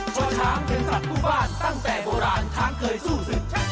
ช่อช้างถึงสัตว์ผู้บ้านตั้งแต่โบราณช้างเคยสู้สึก